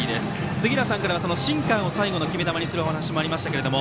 杉浦さんからシンカーを最後の決め球にするというお話がありましたが。